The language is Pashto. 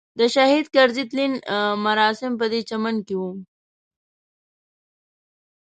د شهید کرزي تلین مراسم پدې چمن کې وو.